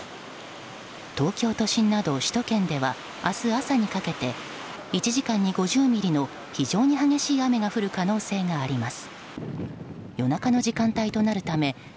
東京都心など首都圏では明日朝にかけて１時間に５０ミリの非常に激しい雨が降る可能性があります。